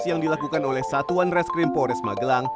yang dilakukan oleh satuan reskrim polres magelang